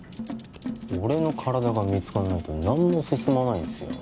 俺の体が見つかんないと何も進まないんですよ